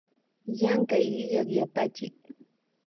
Llankay illak yapachik